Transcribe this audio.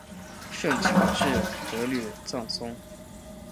圣乔治德吕藏松。